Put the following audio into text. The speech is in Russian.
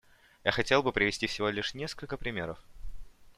Я хотел бы привести всего лишь несколько примеров.